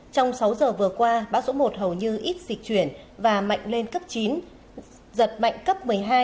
trong sáu giờ vừa qua bão số một hầu như ít dịch chuyển và mạnh lên cấp chín giật mạnh cấp một mươi hai